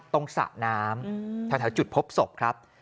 สระน้ำแถวจุดพบศพครับ